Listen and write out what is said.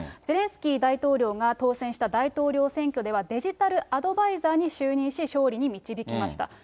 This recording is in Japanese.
ゼレンスキー大統領が当選した大統領選挙では、デジタルアドバイザーに就任し、勝利に導きました。